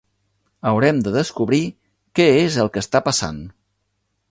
Haurem de descobrir què és el que està passant.